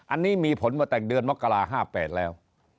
อันนี้มีผลมาแต่งเดือนมกรา๕๘แล้ว